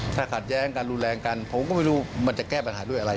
ถ้าขัดแย้งกันรุนแรงกันผมก็ไม่รู้มันจะแก้ปัญหาด้วยอะไร